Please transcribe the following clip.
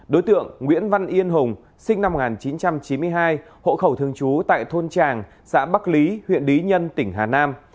đối tượng nguyễn văn yên hùng sinh năm một nghìn chín trăm chín mươi hai hộ khẩu thường trú tại thôn tràng xã bắc lý huyện lý nhân tỉnh hà nam